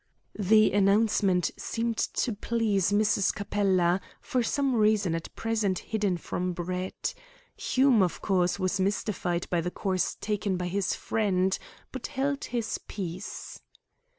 The announcement seemed to please Mrs. Capella, for some reason at present hidden from Brett. Hume, of course, was mystified by the course taken by his friend, but held his peace.